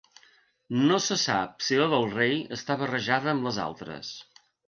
No se sap si la del rei està barrejada amb les altres.